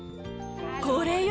これよ。